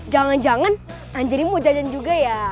jangan jangan jadi mau jajan juga ya